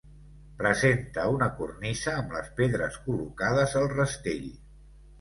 Presenta una cornisa amb les pedres col·locades al rastell.